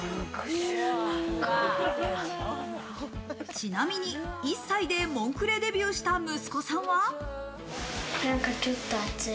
ちなみに１歳でモンクレデビューした息子さんは。